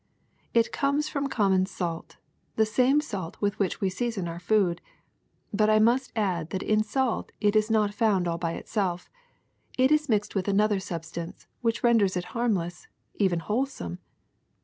'^It comes from common salt, the same salt with which we season our food. But I must add that in salt it is not found all by itself ; it is mixed with an other substance which renders it harmless, even wholesome.